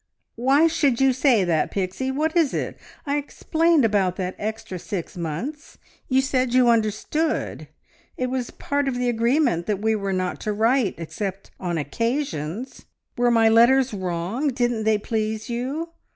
"Why ... should you say that? Pixie, what is it? I explained about that extra six months. ... You said you understood. It was part of the agreement that we were not to write except on occasions. Were my letters wrong? Didn't they please you?